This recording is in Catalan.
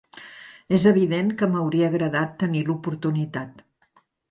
És evident que m’hauria agradat tenir l’oportunitat.